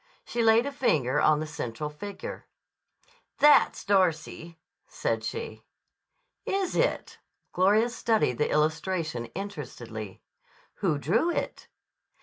She laid a finger on the central figure. "That's Darcy," said she. "Is it?" Gloria studied the illustration interestedly. "Who drew it?"